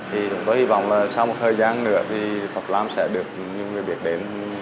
thì tôi hy vọng là sau một thời gian nữa thì pháp nam sẽ được nhiều người biết đến